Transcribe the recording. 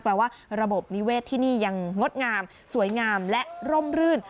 แปลว่าระบบนิเวศที่นี่ยังงดงามสวยงามและร่มรื่น